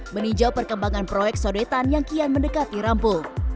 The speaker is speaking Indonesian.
meninjau perkembangan proyek sudetan yang kian mendekati rampu